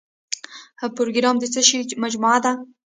پروګرام د څه شی مجموعه ده؟